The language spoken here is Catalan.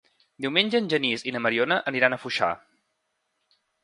Diumenge en Genís i na Mariona aniran a Foixà.